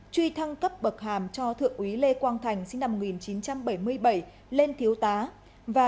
truy thăng cấp bậc hàm cho thượng úy lê quang thành sinh năm một nghìn chín trăm bảy mươi bảy lên thiếu tá